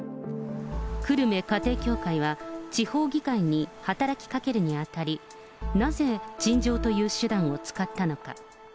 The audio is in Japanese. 久留米家庭教会は、地方議会に働きかけるにあたり、なぜ、陳情という手段を使ったのか。